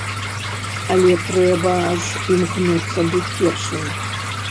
Але трэба ж імкнуцца быць першым.